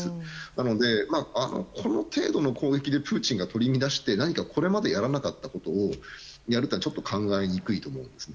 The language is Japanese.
なので、この程度の攻撃でプーチンが取り乱してこれまでやらなかったことをやるとはちょっと考えにくいと思うんです。